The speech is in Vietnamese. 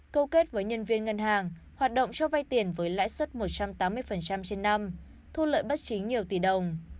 câu kết với nhân viên ngân hàng hoạt động cho vay tiền với lãi suất một trăm tám mươi trên năm thu lợi bất chính nhiều tỷ đồng